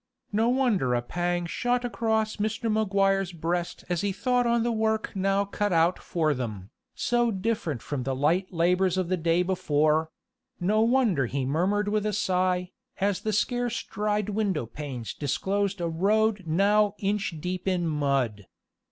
No wonder a pang shot across Mr. Maguire's breast as he thought on the work now cut out for them, so different from the light labors of the day before; no wonder he murmured with a sigh, as the scarce dried window panes disclosed a road now inch deep in mud!